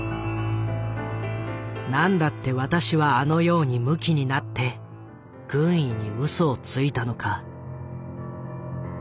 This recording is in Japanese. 「何だって私はあのようにむきになって軍医に嘘をついたのか」。